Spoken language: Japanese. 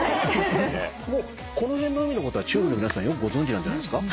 もうこの辺の海のことはＴＵＢＥの皆さんよくご存じなんじゃないですか？